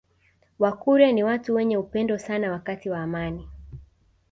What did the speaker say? Wakurya ni watu wenye upendo sana wakati wa amani